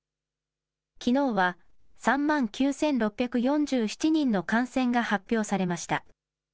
きのうは３万９６４７人の感染が発表されました。